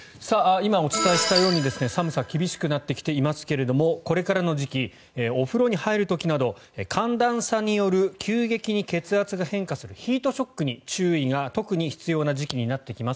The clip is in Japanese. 今、お伝えしたように寒さ、厳しくなってきていますがこれからの時期お風呂に入る時など寒暖差による急激に血圧が変化するヒートショックに注意が特に必要な時期になってきます。